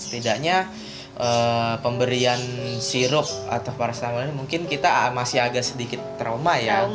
setidaknya pemberian sirup atau parasetamol ini mungkin kita masih agak sedikit trauma ya